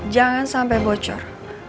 jangan sampai bocor